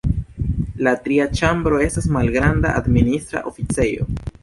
La tria ĉambro estas malgranda administra oficejo.